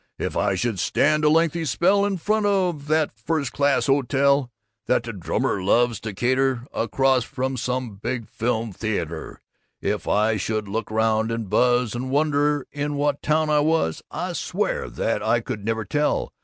If I should stand a lengthy spell in front of that first class hotel, that to the drummers loves to cater, across from some big film theayter; if I should look around and buzz, and wonder in what town I was, I swear that I could never tell!